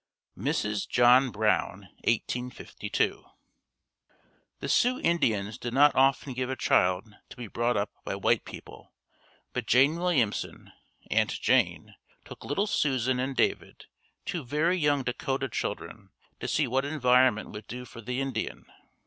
Mrs. John Brown 1852. The Sioux Indians did not often give a child to be brought up by white people, but Jane Williamson "Aunt Jane" took little Susan and David, two very young Dakota children, to see what environment would do for the Indian.